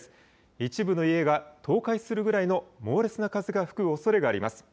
一部の家が倒壊するぐらいの猛烈な風が吹くおそれがあります。